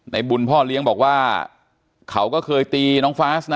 บุญพ่อเลี้ยงบอกว่าเขาก็เคยตีน้องฟาสนะ